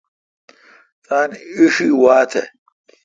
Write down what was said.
تان اݭی وا تھ۔